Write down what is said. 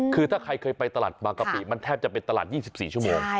คือถ้าใครเคยไปตลาดบางกะปิมันแทบจะเป็นตลาด๒๔ชั่วโมง